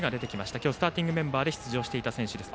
今日スターティングメンバーで出場していた選手です。